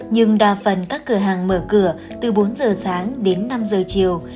nhưng đa phần các cửa hàng mở cửa từ bốn giờ sáng đến năm giờ chiều